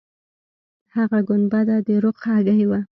هغه ګنبده د رخ هګۍ وه.